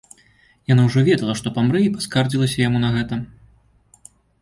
Яна ўжо ведала, што памрэ, і паскардзілася яму на гэта.